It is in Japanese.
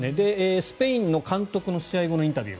スペインの監督の試合後のインタビュー。